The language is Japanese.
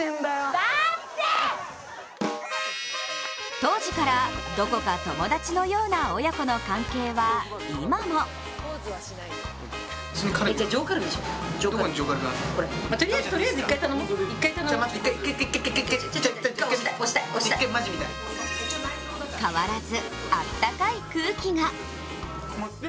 当時からどこか友達のような親子の関係は今も変わらず、あったかい空気が。